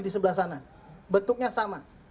di sebelah sana bentuknya sama